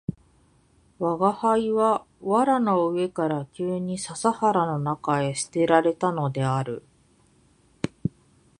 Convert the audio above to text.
吾輩は藁の上から急に笹原の中へ棄てられたのである